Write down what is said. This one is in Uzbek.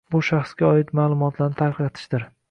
bu shaxsga doir ma’lumotlarni tarqatishdir.